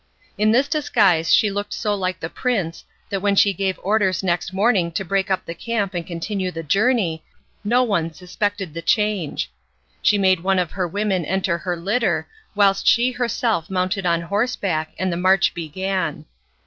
In this disguise she looked so like the prince that when she gave orders next morning to break up the camp and continue the journey no one suspected the change. She made one of her women enter her litter, whilst she herself mounted on horseback and the march began.